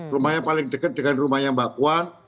rumahnya paling dekat dengan rumahnya mbak puan